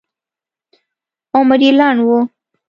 عمر یې لنډ و.